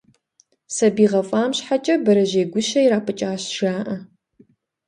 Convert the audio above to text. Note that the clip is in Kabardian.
Сабий гъэфӏам щхьэкӏэ, бэрэжьей гущэ ирапӏыкӏащ, жаӏэ.